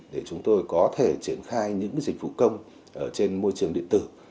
để chúng tôi có thể triển khai những dịch vụ công trên môi trường điện tử